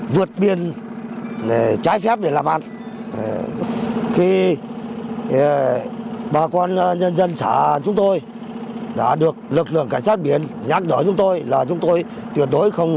vừa thăm hỏi tặng quà bà con nhân dân như hoạt động em yêu biển đảo quê hương